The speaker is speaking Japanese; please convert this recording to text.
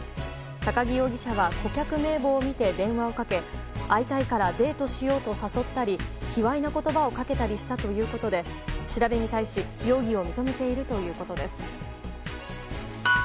都木容疑者は顧客名簿を見て電話をかけ会いたいからデートしようと誘ったり卑猥な言葉をかけたりしたということで調べに対し容疑を認めているということです。